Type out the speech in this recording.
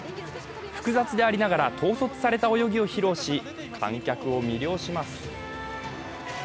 複雑でありながら、統率された泳ぎを披露し、観客を魅了します。